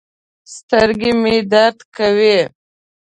سترګې مې درد کوي